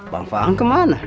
bang faang kemana